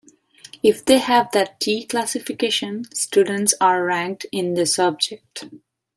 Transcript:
If they have that T classification, students are ranked in the subject.